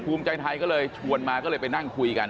ภูมิใจไทยก็เลยชวนมาก็เลยไปนั่งคุยกัน